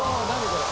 これ。